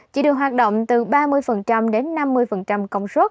chỉ được hoạt động từ ba mươi đến chín mươi